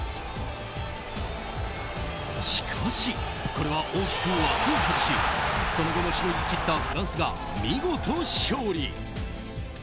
しかし、これは大きく枠を外しその後もしのぎ切ったフランスが見事勝利。